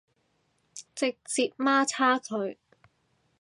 直接媽叉佢